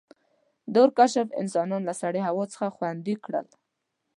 • د اور کشف انسانان له سړې هوا څخه خوندي کړل.